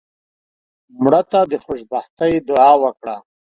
مړه ته د خوشبختۍ دعا وکړه